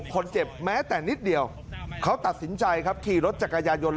เจ็บแม้แต่นิดเดียวเขาตัดสินใจครับขี่รถจักรยานยนต